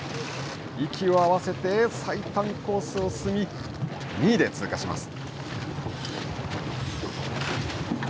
息を合わせて最短コースを進み２位で通過します。